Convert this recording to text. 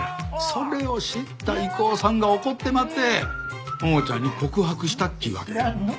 それを知った郁夫さんが怒ってまって桃ちゃんに告白したっちゅうわけよ。